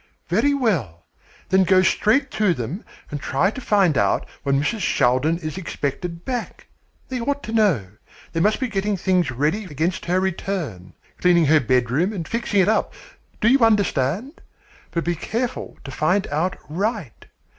"Very well, then go straight to them and try to find out when Mrs. Shaldin is expected back. They ought to know. They must be getting things ready against her return cleaning her bedroom and fixing it up. Do you understand? But be careful to find out right.